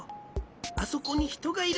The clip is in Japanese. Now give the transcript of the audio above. あそこにひとがいる。